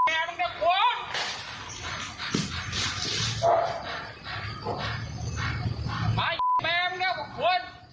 ไอ้แม่